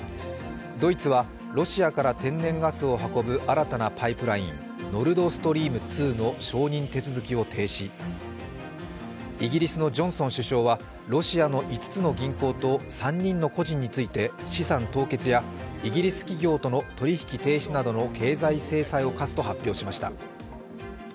ドイツはロシアから天然ガスを運ぶ新たなパイプラインノルドストリーム２の承認手続きを停止、イギリスのジョンソン首相はロシアの５つの銀行と３人の個人について、資産凍結やイギリス企業との取引停止などの経済制裁を科すと発表しました。